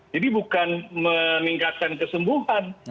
jadi bukan meningkatkan kesembuhan